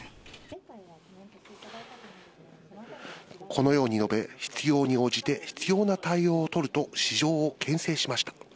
このように述べ、必要に応じて必要な対応をとると市場をけん制しました。